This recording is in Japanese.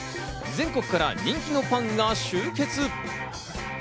全国から人気のパンが集結。